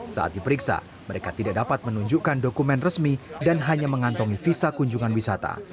saat diperiksa mereka tidak dapat menunjukkan dokumen resmi dan hanya mengantongi visa kunjungan wisata